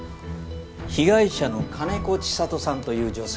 被害者の金子千里さんという女性